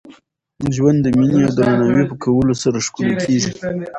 ژوند د میني او درناوي په کولو سره ښکلی کېږي.